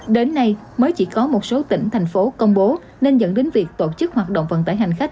đến nay mới chỉ có một số tỉnh thành phố công bố nên dẫn đến việc tổ chức hoạt động vận tải hành khách